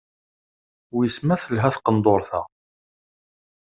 Wis ma telha tqendurt-a?